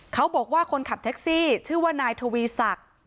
เขาบอกว่าคนขับแท็กซี่ชื่อว่านายทวีสัก